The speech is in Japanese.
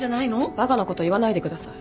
バカなこと言わないでください。